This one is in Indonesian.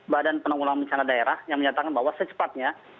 badan penanggulangan bencana daerah yang menyatakan bahwa secepatnya